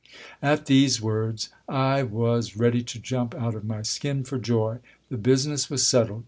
At these words I was ready to jump out of my skin for joy. The business was settled